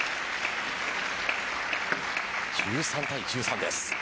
１３対１３です。